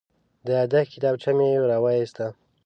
د یادښت کتابچه مې راوویسته.